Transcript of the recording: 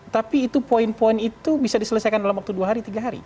tapi itu poin poin itu bisa diselesaikan dalam waktu dua hari tiga hari